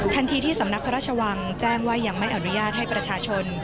ที่สำนักพระราชวังแจ้งว่ายังไม่อนุญาตให้ประชาชน